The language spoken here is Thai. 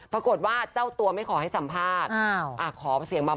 ปรากฏว่าเจ้าตัวไม่ขอให้สัมภาษณ์